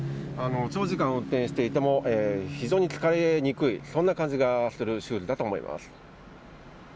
長時間運転していても非常に疲れにくい、そんな感じがするシューズだと思います。